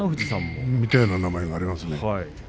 見たような名前がありますね。